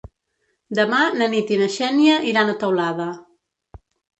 Demà na Nit i na Xènia iran a Teulada.